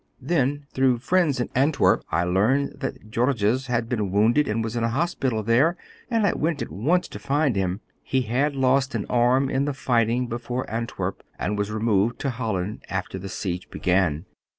Then, through friends in Antwerp, I learned that Georges had been wounded and was in a hospital there and I went at once to find him. He had lost an arm in the fighting before Antwerp and was removed to Holland after the siege began.